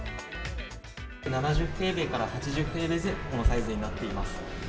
７０平米から８０平米前後のサイズになっております。